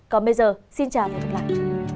còn bây giờ xin chào và hẹn gặp lại